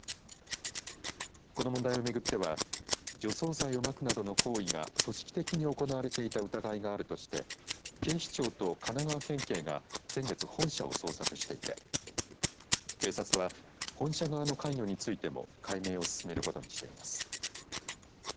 この問題を巡っては除草剤をまくなどの行為が組織的に行われていた疑いがあるとして警視庁と神奈川県警が先月、本社を捜索していて警察は本社側の関与についても解明を進めることにしています。